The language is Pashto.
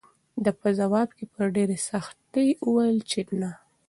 ده په ځواب کې په ډېرې سختۍ وویل چې نه.